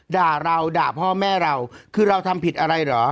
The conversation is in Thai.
ด่าเราด่าพ่อแม่เราคือเราทำผิดอะไรเหรอ